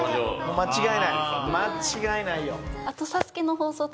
間違いないよ。